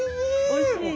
おいしい？